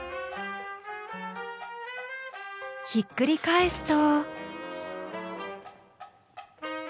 ひっくり返すと。